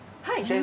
はい。